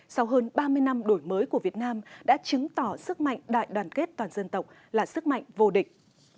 sau hơn ba mươi năm đổi mới của việt nam đã chứng tỏ sức mạnh đại đoàn kết toàn dân tộc là sức mạnh vô địch